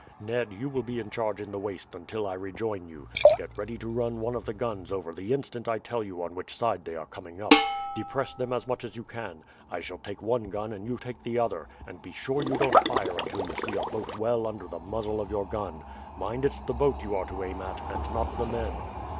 Ned, you will be in charge in the waist until I rejoin you. Get ready to run one of the guns over the instant I tell you on which side they are coming up. Depress them as much as you can. I shall take one gun and you take the other, and be sure you don't fire until you see a boat well under the muzzle of your gun. Mind it's the boat you are to aim at, and not the men."